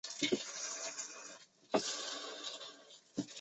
海南野桐为大戟科野桐属下的一个种。